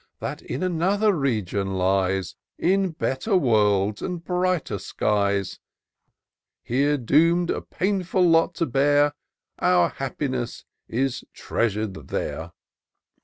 That in another region lies, In better worlds and brighter skies : Here doom'd a painftd lot to bear, Our happiness is treasur'd there.